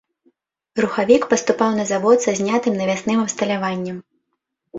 Рухавік паступаў на завод са знятым навясным абсталяваннем.